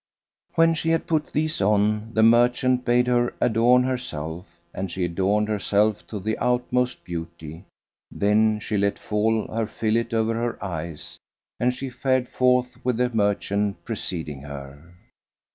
When she had put these on, the merchant bade her adorn herself, and she adorned herself to the utmost beauty; then she let fall her fillet over her eyes and she fared forth with the merchant preceding her.